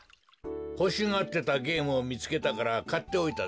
ほしがってたゲームをみつけたからかっておいたぞ。